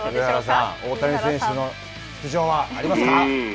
大谷選手の出場はありますか？